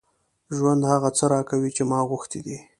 ژوند هغه څه راکوي چې ما غوښتي دي.